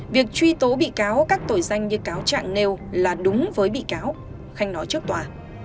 việc truy tố bị cáo các tội danh như cáo trạng nêu là đúng với bị cáo khanh nói trước tòa